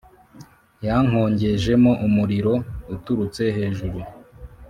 Yankongejemo umuriro uturutse hejuru,